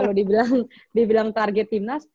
kalau dibilang dibilang target tim nas